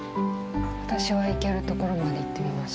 私は行けるところまで行ってみます。